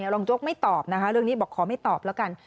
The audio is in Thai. รองโจ๊กไม่ตอบนะคะเรื่องนี้บอกขอไม่ตอบแล้วกัน